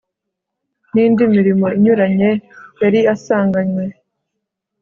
n'indi mirimo inyuranye yari asanganywe